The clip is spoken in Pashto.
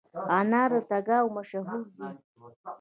انار د تګاب مشهور دي